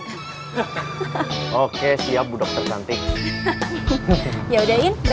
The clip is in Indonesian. nanti kamu pikir aku masih belakang taunya aku dah jalan dulu deh ya